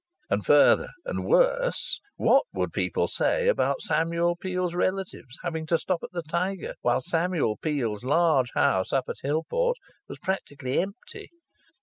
And further and worse; what would people say about Samuel Peel's relatives having to stop at the Tiger, while Samuel Peel's large house up at Hillport was practically empty?